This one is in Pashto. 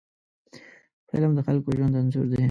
فلم د خلکو د ژوند انځور دی